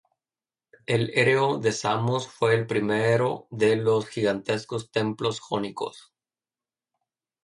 El Hereo de Samos fue el primero de los gigantescos templos jónicos.